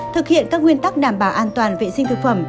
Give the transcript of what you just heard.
thực hiện các nguyên tắc đảm bảo an toàn vệ sinh thực phẩm